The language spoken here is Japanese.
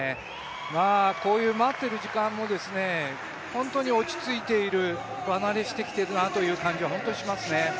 こういう待っている時間も本当に落ち着いている場なれしてきているなという感じは本当にしますね。